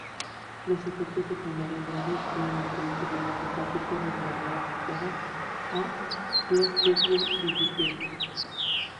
Los efectos secundarios graves pueden incluir problemas hepáticos o diarrea asociada a "Clostridium difficile".